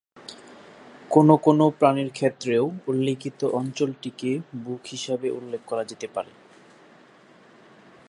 কোন কোন প্রাণীর ক্ষেত্রেও উল্লেখিত অঞ্চলটিকে বুক হিসাবে উল্লেখ করা যেতে পারে।